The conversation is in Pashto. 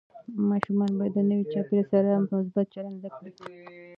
ماشوم باید د نوي چاپېریال سره مثبت چلند زده کړي.